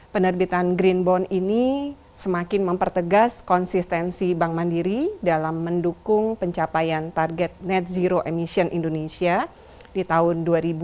penerbitan green bond ini semakin mempertegas konsistensi bank mandiri dalam mendukung pencapaian target net zero emission indonesia di tahun dua ribu dua puluh